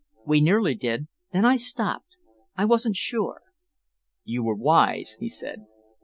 "We nearly did. Then I stopped I wasn't sure." "You were wise," he said.